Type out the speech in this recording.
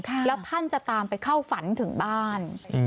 แล้วท่านจะตามไปเข้าฝันถึงบ้าน